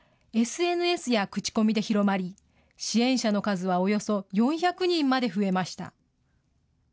ＳＮＳや口コミで広まり、支援者の数はおよそ４００人まで増えました。